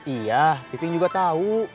iya piping juga tau